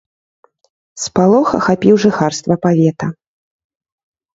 Спалох ахапіў жыхарства павета.